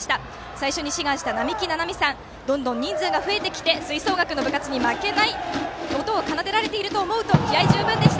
最初に志願したなみきななみさんはどんどん人数が増えてきて吹奏楽の部活に負けない音を奏でられていると思うと気合い十分でした。